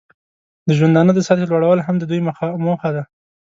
د ژوندانه د سطحې لوړول هم د دوی موخه ده.